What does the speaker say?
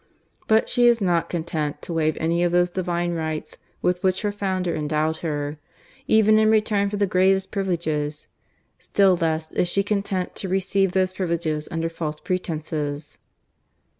But she is not content to waive any of those Divine Rights with which her Founder endowed her, even in return for the greatest privileges; still less is she content to receive those privileges under false pretences.